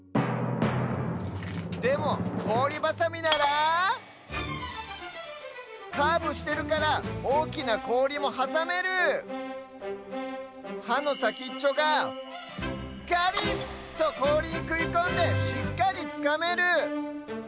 でもこおりバサミならカーブしてるからおおきなこおりもはさめる！はのさきっちょがガリッ！とこおりにくいこんでしっかりつかめる！